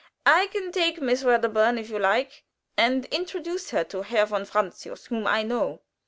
I can take Miss Wedderburn, if you like, and introduce her to Herr von Francius, whom I know."